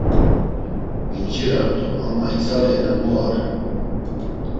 Vincirart̆u ama igzaleyna mu ar!